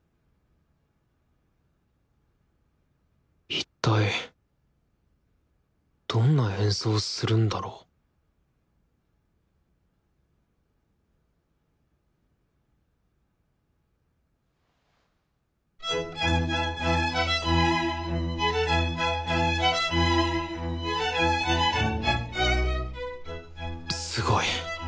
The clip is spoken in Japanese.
いったいどんな演奏をするんだろうすごい。